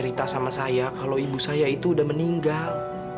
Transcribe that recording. cerita sama saya kalau ibu saya itu udah meninggal